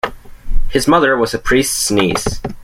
His mother was a priest's niece.